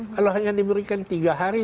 kalau hanya diberikan tiga hari